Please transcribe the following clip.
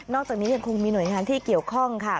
จากนี้ยังคงมีหน่วยงานที่เกี่ยวข้องค่ะ